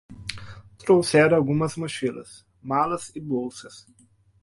Trouxeram algumas mochilas, malas e bolsas